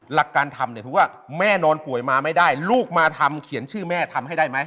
หลักการทำเนี่ยถูกว่าแม่นอนป่วยมาไม่ได้ลูกมาทำเขียนชื่อแม่ทำให้ได้ไหม